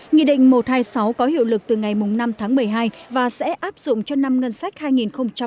nghị định một trăm hai mươi sáu có hiệu lực từ ngày năm tháng một mươi hai và sẽ áp dụng cho năm ngân sách hai nghìn hai mươi